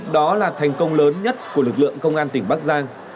đó là thành công lớn nhất của lực lượng công an tỉnh bắc giang